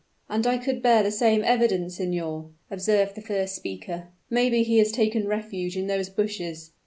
"And I could bear the same evidence, signor," observed the first speaker. "Maybe he has taken refuge in those bushes."